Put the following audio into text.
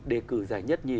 đề cử giải nhất nhì